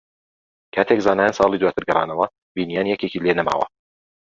کاتێک زانایان ساڵی داواتر گەڕانەوە، بینییان یەکێکی لێ نەماوە